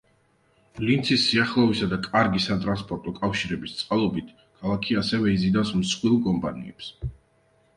ლინცის სიახლოვისა და კარგი სატრანსპორტო კავშირების წყალობით, ქალაქი ასევე იზიდავს მსხვილ კომპანიებს.